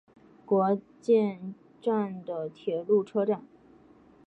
国见站的铁路车站。